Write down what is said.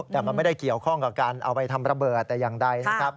แต่มันไม่ได้เกี่ยวข้องกับการเอาไปทำระเบิดแต่อย่างใดนะครับ